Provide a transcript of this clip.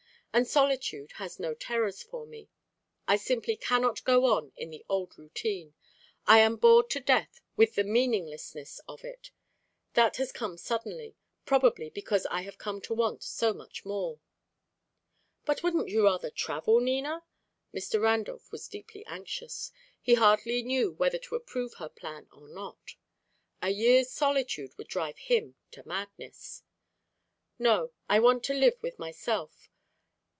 And solitude has no terrors for me. I simply cannot go on in the old routine. I am bored to death with the meaninglessness of it. That has come suddenly: probably because I have come to want so much more." "But wouldn't you rather travel, Nina?" Mr. Randolph was deeply anxious; he hardly knew whether to approve her plan or not. A year's solitude would drive him to madness. "No, I want to live with myself.